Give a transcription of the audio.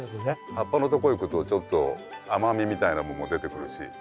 葉っぱのとこいくとちょっと甘みみたいなもんも出てくるし。